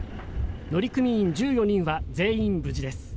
乗組員１４人は全員無事です。